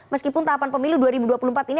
meskipun tahapan pemilu dua ribu dua puluh empat ini